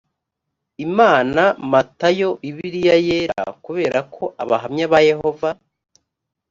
imana matayo bibiliya yera kubera ko abahamya ba yehova